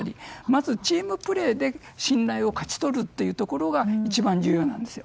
まず、チームプレーで信頼を勝ち取るというところが一番重要なんです。